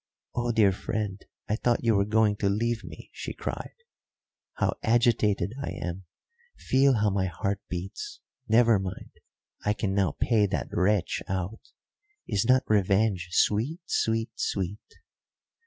"Oh, dear friend, I thought you were going to leave me!" she cried. "How agitated I am feel how my heart beats. Never mind, I can now pay that wretch out. Is not revenge sweet, sweet, sweet?"